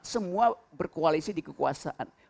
semua berkoalisi di kekuasaan